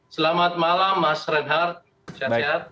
selamat malam mas reinhardt sehat sehat